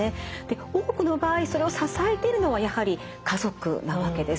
多くの場合それを支えているのはやはり家族なわけです。